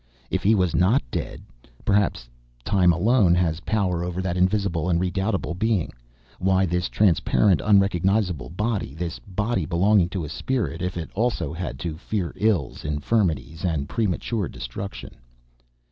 If he was not dead?... Perhaps time alone has power over that Invisible and Redoubtable Being. Why this transparent, unrecognizable body, this body belonging to a spirit, if it also had to fear ills, infirmities and premature destruction?